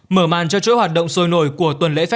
mở màn cho chối hoạt động sôi nổi của tuần lễ festival